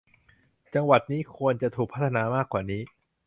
จังหวัดนี้ควรจะถูกพัฒนามากกว่านี้